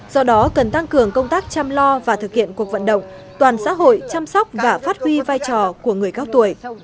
do đó cần tăng cường công tác chăm lo và thực hiện cuộc vận động toàn xã hội chăm sóc và phát huy vai trò của người cao tuổi